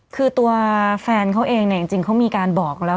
คือตัวแฟนเขาเองเนี่ยจริงเขามีการบอกแล้ว